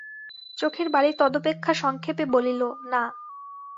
চোখের বালি তদপেক্ষা সংক্ষেপে বলিল, না।